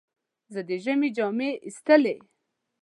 زه د ژمي جامې ایستلې.